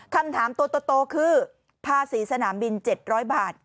คำถามโตคือผ้าสีสนามบิน๗๐๐บาท